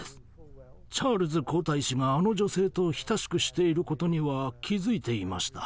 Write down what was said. チャールズ皇太子があの女性と親しくしていることには気付いていました。